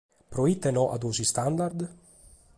Pro ite no a duos standard?